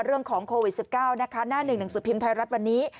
เรื่องของโควิด๑๙นะคะหน้า๑๑สุพิมพ์ไทยรัฐวันนี้